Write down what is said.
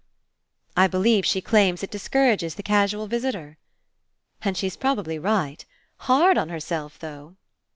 '' "I beheve she claims it discourages the casual visitor." "And she's probably right. Hard on herself, though."